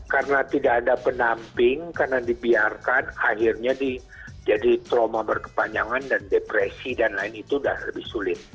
karena tidak ada pendamping karena dibiarkan akhirnya jadi trauma berkepanjangan dan depresi dan lain itu udah lebih sulit